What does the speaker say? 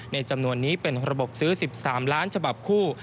จำนวนนี้เป็นระบบซื้อ๑๓ล้านฉบับคู่